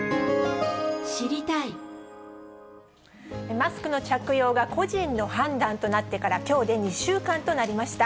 マスクの着用が個人の判断となってから、きょうで２週間となりました。